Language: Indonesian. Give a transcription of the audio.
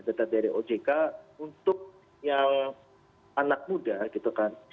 data dari ojk untuk yang anak muda gitu kan